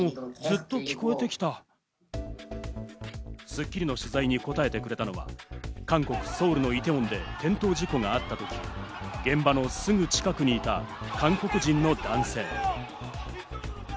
『スッキリ』の取材に答えてくれたのは、韓国ソウルのイテウォンで転倒事故があった時、現場のすぐ近くにいた韓国人の男性。